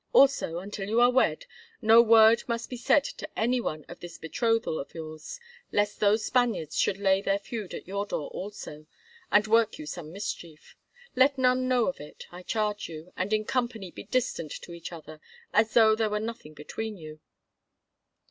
Also, until you are wed, no word must be said to any one of this betrothal of yours, lest those Spaniards should lay their feud at your door also, and work you some mischief. Let none know of it, I charge you, and in company be distant to each other, as though there were nothing between you."